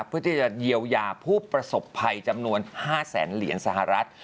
เพื่อที่จะเยียวยาผู้ประสบภัยจำนวน๕แสนเหรียญสหรัฐ